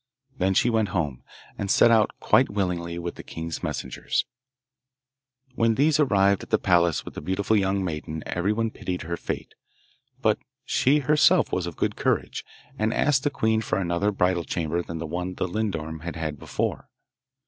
Then she went home, and set out quite willingly with the king's messengers. When these arrived at the palace with the beautiful young maiden everyone pitied her fate; but she herself was of good courage, and asked the queen for another bridal chamber than the one the lindorm had had before.